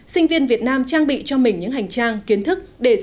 sinh viên việt nam trang bị cho mình những hành trang kiến thức để